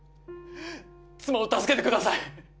妻を助けてください！